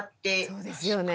そうですよね。